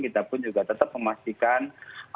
kita pun juga tetap memastikan